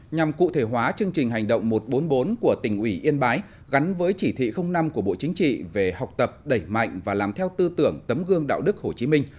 nhằm cụ thể hóa chương trình hành động một trăm bốn mươi bốn của tỉnh ủy yên bái gắn với chỉ thị năm của bộ chính trị về học tập đẩy mạnh và làm theo tư tưởng tấm gương đạo đức hồ chí minh